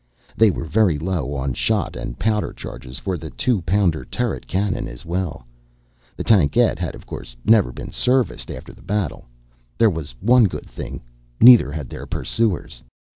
They were very low on shot and powder charges for the two pounder turret cannon, as well. The tankette had of course never been serviced after the battle. There was one good thing neither had their pursuers'.